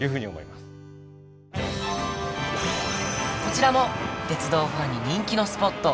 こちらも鉄道ファンに人気のスポット